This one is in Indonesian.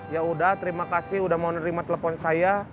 yaudah terima kasih udah mau nerima telepon saya